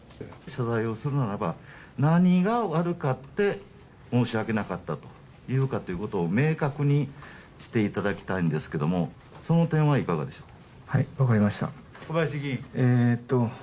謝罪をするならば何が悪くて申し訳なかったということを明確にしていただきたいんですけどもその点はいかがでしょう？